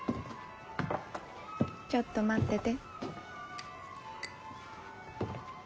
ちょっと待ってて。